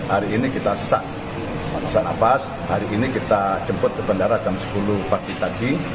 hari ini kita sesak barusan nafas hari ini kita jemput ke bandara jam sepuluh pagi tadi